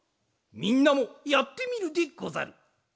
みんなもやってみるでござる。